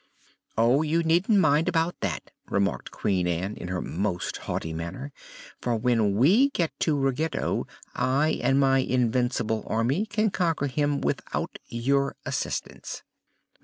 "Oh, you needn't mind about that," remarked Queen Ann, in her most haughty manner; "for when we get to Ruggedo I and my invincible Army can conquer him without your assistance."